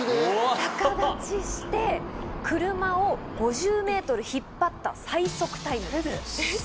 逆立ちして車を５０ｍ引っ張った最速タイムです。